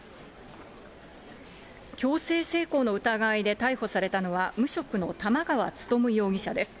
強制性交の疑いで逮捕されたのは、無職の玉川勉容疑者です。